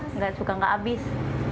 enggak suka enggak habis